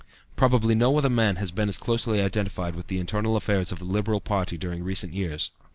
Probably no other man has been as closely identified with the internal affairs of the Liberal party during recent years.